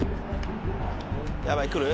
ヤバい来る？